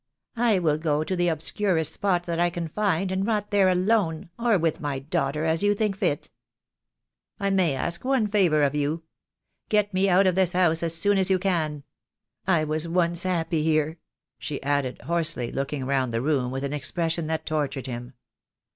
"I will go to the obscurest spot that I can find, and rot there alone, or with my daughter, as you think fit. I may ask one favour of you. Get me out of this house as soon as you can. I was once happy here," she added, hoarsely, looking round the room with an expression that tortured him.